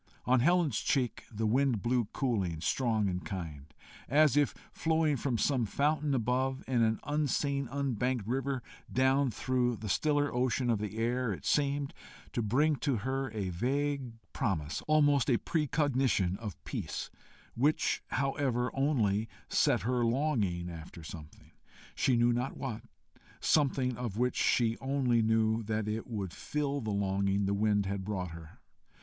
On Helen's cheek the wind blew cooling, strong, and kind. As if flowing from some fountain above, in an unseen unbanked river, down through the stiller ocean of the air, it seemed to bring to her a vague promise, almost a precognition, of peace which, however, only set her longing after something she knew not what something of which she only knew that it would fill the longing the wind had brought her.